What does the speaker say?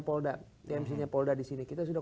polda tmc nya polda disini kita sudah